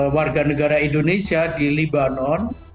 warga negara indonesia di libanon